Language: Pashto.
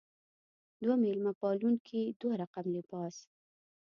دوه میلمه پالونکې دوه رقم لباس.